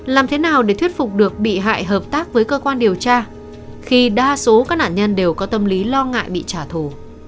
làm thế nào để thuyết phục được bị hại hợp tác với cơ quan điều tra khi đa số các nạn nhân đều có tâm lý lo ngại bị trả thù